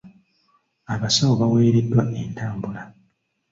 Abasawo baweereddwa entambula.